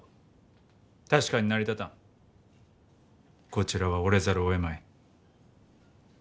こちらは折れざるをえまい。